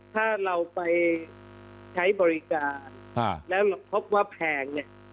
ถ้าเราไปใช้บริการแล้วเราพบว่าแพงเนี่ย